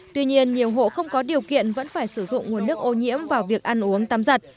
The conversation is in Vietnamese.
tuy nhiên nhiều hộ không có điều kiện vẫn phải sử dụng nguồn nước ô nhiễm vào việc ăn uống tắm giặt